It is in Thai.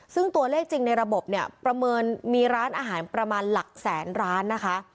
ซึ่งตัวเลขจริงในระบบเนี่ยประเมินมีร้านอาหารประมาณหลักแสนร้านนะคะ